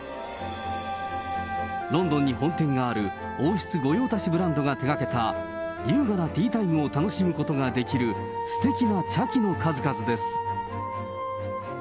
ロンドンに本店がある王室御用達ブランドが手がけた、優雅なティータイムを楽しむことができる、すてきな茶器の数々です。